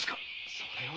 それは。